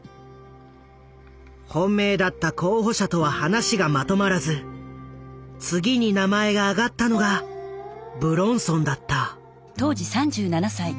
本命だった候補者とは話がまとまらず次に名前が挙がったのが武論尊だった。